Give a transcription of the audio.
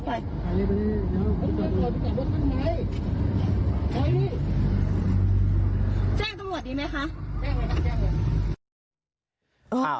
แจ้งเลยแจ้งเลย